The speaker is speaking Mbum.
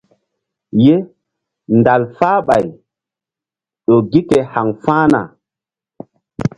Ye dal falɓay ƴo gi ke haŋfa̧hna.